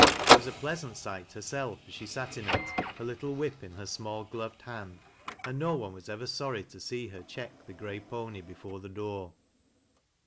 She was a pleasant sight herself as she sat in it, her little whip in her small gloved hand, and no one was over Boriy tc see her check the gray pony before the door.